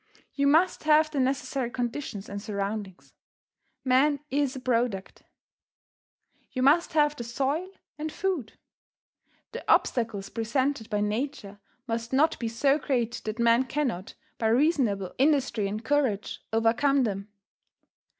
You must have the necessary conditions and surroundings. Man is a product; you must have the soil and food. The obstacles presented by nature must not be so great that man cannot, by reasonable industry and courage, overcome them.